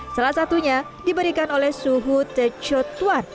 salah satunya diberikan oleh suhu tecutuan